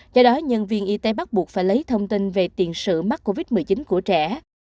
do đó nhân viên y tế bắt buộc phải lấy thông tin về tiền sự mắc covid một mươi chín của trẻ